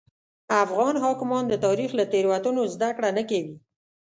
افغان حاکمان د تاریخ له تېروتنو زده کړه نه کوي.